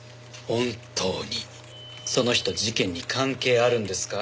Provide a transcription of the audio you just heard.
本当にその人事件に関係あるんですか？